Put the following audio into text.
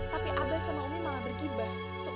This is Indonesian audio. tapi abah sama umi malah bergibah